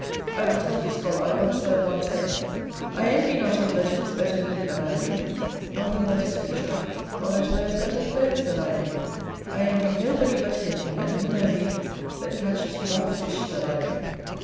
I will tell you, scholar, I once heard one say, "I envy not him that eats better meat than I do; nor him that is richer, or that wears better clothes than I do: I envy nobody but him, and him only, that catches more fish than I do".